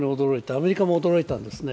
アメリカも驚いたんですね。